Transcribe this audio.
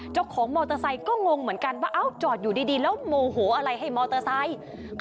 เจ้าของมอเตอร์ไซค์ก็งงเหมือนกันว่าจอดอยู่ดีแล้วโมโหอะไรให้มอเตอร์ไซค์